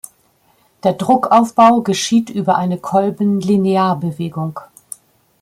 Der Druckaufbau geschieht über eine Kolben-Linearbewegung.